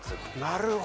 なるほど！